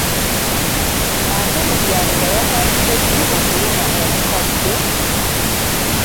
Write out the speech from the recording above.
Ate lubyamira yatandise ddi okuluma omukadde?